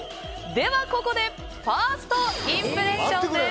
では、ここでファーストインプレッションです。